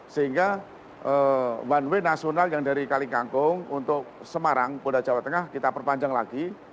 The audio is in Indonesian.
sehingga one way nasional yang dari kali kangkung untuk semarang polda jawa tengah kita perpanjang lagi